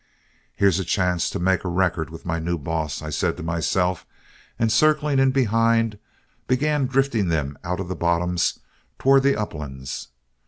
'Here's a chance to make a record with my new boss,' I said to myself, and circling in behind, began drifting them out of the bottoms towards the uplands.